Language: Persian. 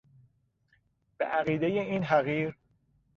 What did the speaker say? به عقیدهی این حقیر